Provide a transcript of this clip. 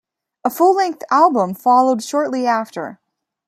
A full-length album followed shortly after.